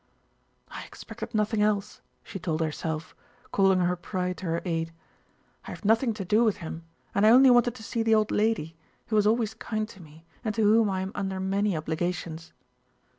"I expected nothing else," she told herself, calling her pride to her aid. "I have nothing to do with him and I only wanted to see the old lady, who was always kind to me and to whom I am under many obligations."